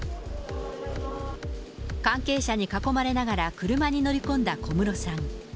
関係者に囲まれながら車に乗り込んだ小室さん。